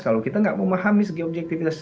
kalau kita nggak memahami segi objektivitas